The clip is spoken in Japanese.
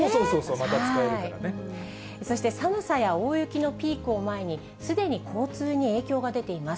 また使えるかそして寒さや大雪のピークを前に、すでに交通に影響が出ています。